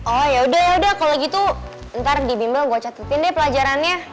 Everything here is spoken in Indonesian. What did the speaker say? oh yaudah udah kalo gitu ntar di bimbel gue catetin deh pelajarannya